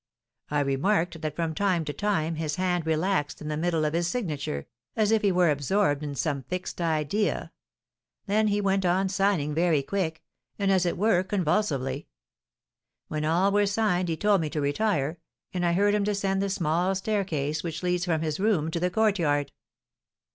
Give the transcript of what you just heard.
I remarked that from time to time his hand relaxed in the middle of his signature, as if he were absorbed in some fixed idea; then he went on signing very quick, and, as it were, convulsively. When all were signed he told me to retire, and I heard him descend the small staircase which leads from his room to the courtyard."